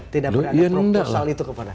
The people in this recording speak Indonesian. tidak pernah anda proposal itu kepada sigit